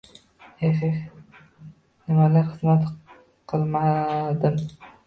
Eh-he, nimalarga xizmat qilmadim